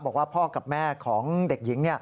บอกว่าพ่อกับแม่ของเด็กหญิง